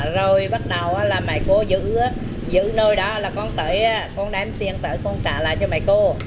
rồi bắt đầu là mấy cô giữ nồi đó là con đem tiền tới con trả lại cho mấy cô